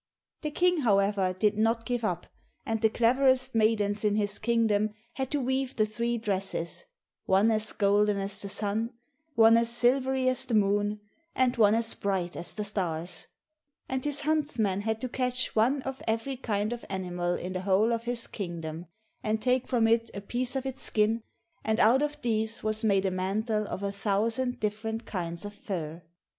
The King, however, did not give it up, and the cleverest maidens in his kingdom had to weave the three dresses, one as golden as the sun, one as silvery as the moon, and one as bright as the stars, and his huntsmen had to catch one of every kind of animal in the whole of his kingdom, and take from it a piece of its skin, and out of these was made a mantle of a thousand different kinds of fur.